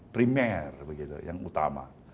primer begitu yang utama